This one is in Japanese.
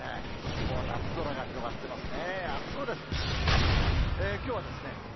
もう夏空が広がってますね。